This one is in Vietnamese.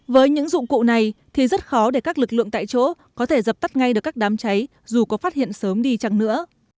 với những dụng cụ này thì rất khó để các lực lượng tại chỗ có thể dập tắt ngay được các đám cháy dù có phát hiện sớm đi chẳng nữa